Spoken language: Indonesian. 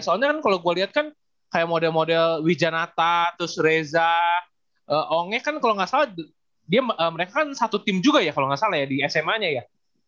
soalnya kan kalau gue lihat kan kayak model model wijanata terus reza onge kan kalau nggak salah mereka kan satu tim juga ya kalau nggak salah ya di sma nya ya